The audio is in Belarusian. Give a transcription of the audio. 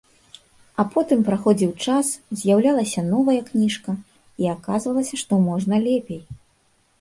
А потым праходзіў час, з'яўлялася новая кніжка, і аказвалася, што можна лепей.